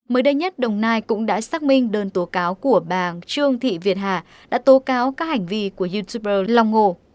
mới đây nhất đồng nai cũng đã xác minh đơn tố cáo của bà trương thị việt hà đã tố cáo các hành vi của youtuber lòng hồ